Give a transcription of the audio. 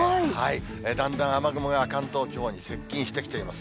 だんだん雨雲が関東地方に接近してきています。